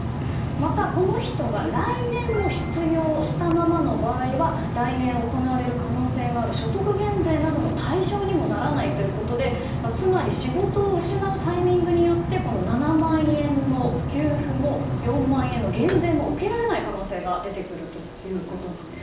また、この人が来年も失業したままの場合は来年行われる可能性のある所得減税の対象にもならないということでつまり、仕事を失うタイミングによって７万円の給付も、４万円の減税も受けられない可能性が出てくるということです。